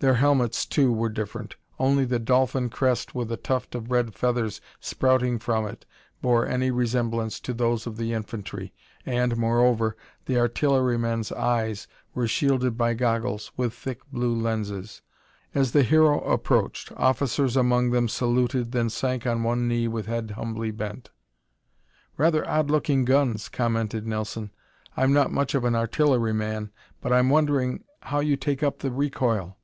Their helmets, too, were different: only the dolphin crest with a tuft of red feathers spouting from it bore any resemblance to those of the infantry, and, moreover, the artillerymen's eyes were shielded by goggles with thick blue lenses. As the Hero approached, officers among them saluted, then sank on one knee with head humbly bent. "Rather odd looking guns," commented Nelson. "I'm not much of an artilleryman, but I'm wondering how you take up the recoil?"